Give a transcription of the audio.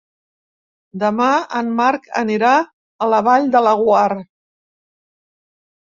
Demà en Marc anirà a la Vall de Laguar.